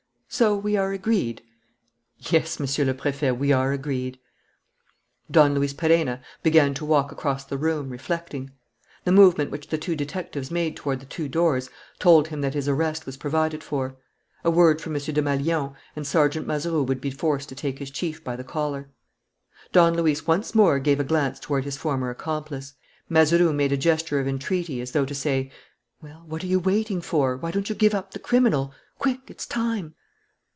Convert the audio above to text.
"So we are agreed?" "Yes, Monsieur le Préfet, we are agreed." Don Luis Perenna began to walk across the room, reflecting. The movement which the two detectives made toward the two doors told him that his arrest was provided for. A word from M. Desmalions, and Sergeant Mazeroux would be forced to take his chief by the collar. Don Luis once more gave a glance toward his former accomplice. Mazeroux made a gesture of entreaty, as though to say: "Well, what are you waiting for? Why don't you give up the criminal? Quick, it's time!"